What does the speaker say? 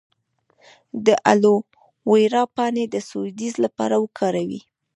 د الوویرا پاڼې د سوځیدو لپاره وکاروئ